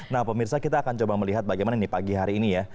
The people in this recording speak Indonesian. nah pemirsa kita akan coba melihat bagaimana nih pagi hari ini ya